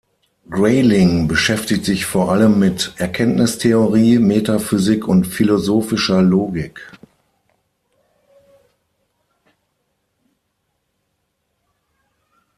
Grayling beschäftigt sich vor allem mit Erkenntnistheorie, Metaphysik und philosophischer Logik.